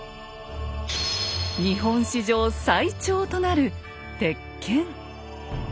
日本史上最長となる鉄剣。